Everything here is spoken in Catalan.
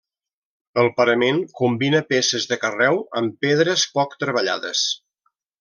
El parament combina peces de carreu amb pedres poc treballades.